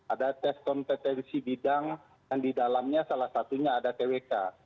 ada tes kompetensi bidang yang di dalamnya salah satunya ada twk